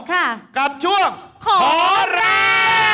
กับช่วงขอแรง